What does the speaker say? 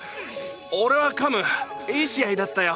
俺はカムいい試合だったよ。